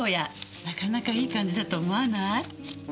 なかなかいい感じだと思わない？